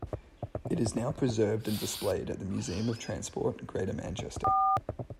It is now preserved and displayed at the Museum of Transport, Greater Manchester.